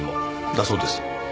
だそうです。